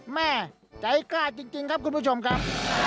แม่ใจกล้าจริงครับคุณผู้ชมครับ